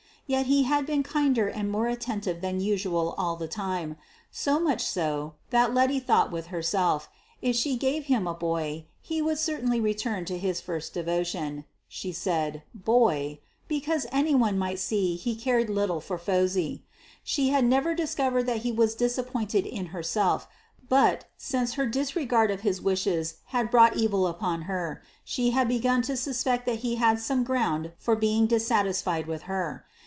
Yet he had been kinder and more attentive than usual all the time, so much so that Letty thought with herself if she gave him a boy, he would certainly return to his first devotion. She said boy, because any one might see he cared little for Phosy. She had never discovered that he was disappointed in herself, but, since her disregard of his wishes had brought evil upon her, she had begun to suspect that he had some ground for being dissatisfied with her.